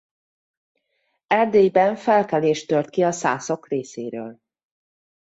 Erdélyben felkelés tört ki a szászok részéről.